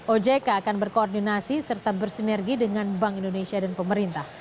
ojk akan berkoordinasi serta bersinergi dengan bank indonesia dan pemerintah